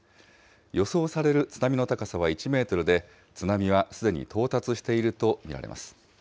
予想される津波の高さは１メートルで、津波はすでに到達していると見られます。